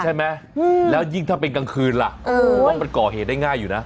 ใช่ไหมแล้วยิ่งถ้าเป็นกลางคืนล่ะผมว่ามันก่อเหตุได้ง่ายอยู่นะ